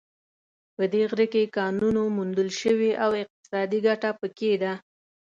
په دې غره کې کانونو موندل شوې او اقتصادي ګټه په کې ده